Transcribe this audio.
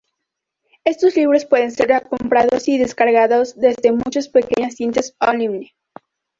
Estos libros pueden ser comprados y descargados desde muchas pequeñas tiendas online.